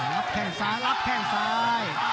รับแค่งซ้ายรับแค่งซ้าย